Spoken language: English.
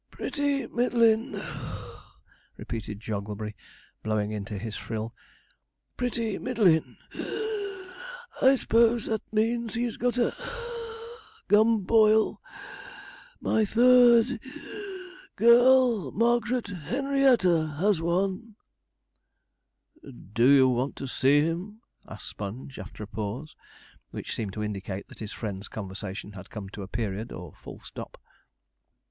'Pretty middlin' (puff),' repeated Jogglebury, blowing into his frill; 'pretty middlin' (wheeze); I s'pose that means he's got a (puff) gumboil. My third (wheeze) girl, Margaret Henrietta has one.' 'Do you want to see him?' asked Sponge, after a pause, which seemed to indicate that his friend's conversation had come to a period, or full stop.